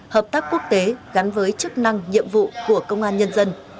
hợp tác quốc tế gắn với chức năng nhiệm vụ của công an nhân dân